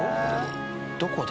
どこだ？